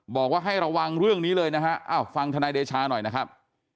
บอกว่าให้ระวังเรื่องนี้เลยนะฮะอ้าวฟังธนายเดชาหน่อยนะครับ